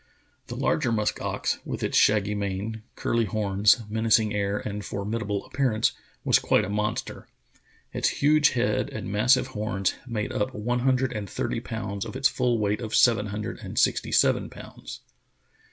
The larger musk ox, with its shaggy mane, curly horns, menacing air, and formi dable appearance, was quite a monster. Its huge head and massive horns made up one hundred and thirty pounds of its full weight of seven hundred and sixty seven pounds.